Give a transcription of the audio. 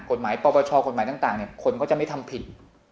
กฎหมายปรบประชาคนก็จะไม่ทำผิด